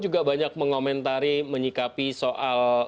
juga banyak mengomentari menyikapi soal